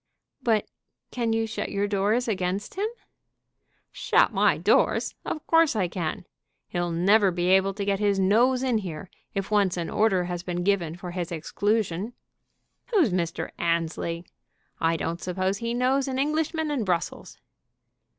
"But can you shut your doors against him?" "Shut my doors! Of course I can. He'll never be able to get his nose in here if once an order has been given for his exclusion. Who's Mr. Annesley? I don't suppose he knows an Englishman in Brussels."